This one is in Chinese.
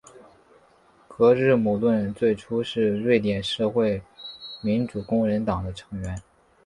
格日姆伦最初是瑞典社会民主工人党的成员。